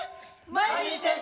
マイミー先生！